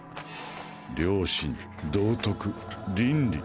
良心・道徳・倫理